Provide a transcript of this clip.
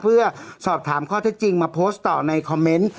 เพื่อสอบถามข้อเท็จจริงมาโพสต์ต่อในคอมเมนต์